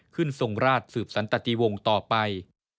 ขึ้นทรงราชสืบสันตะตีวงต่อไป